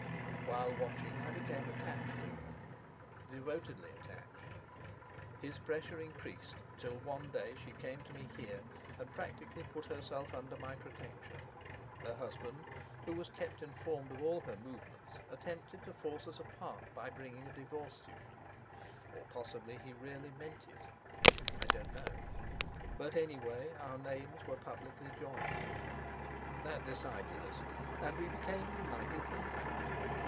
While watching, I became attached to her, devotedly attached. His pressure increased, till one day she came to me here and practically put herself under my protection. Her husband, who was kept informed of all her movements, attempted to force us apart by bringing a divorce suit, or possibly he really meant it, I don't know; but anyway our names were publicly joined. That decided us, and we became united in fact.